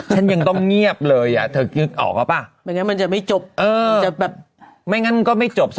ฉันยังต้องเงียบเลยอะถึงภาพนมนตร์ออกเอ้าปะ